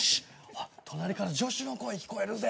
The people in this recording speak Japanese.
隣から女子の声聞こえるぜ。